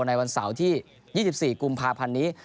ในวันเสาร์ที่๒๔กุมภาพันธ์นี้